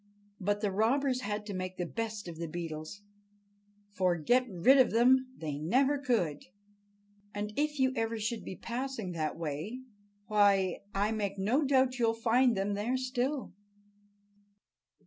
But the robbers had to make the best of the Beetles, for get rid of them they never could. And if ever you should be passing that way, why, I make no doubt you'll find them there still.